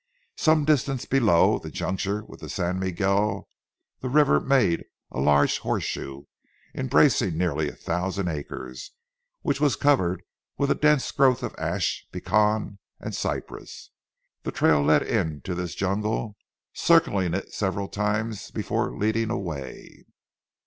Some distance below the juncture with the San Miguel the river made a large horseshoe, embracing nearly a thousand acres, which was covered with a dense growth of ash, pecan, and cypress. The trail led into this jungle, circling it several times before leading away.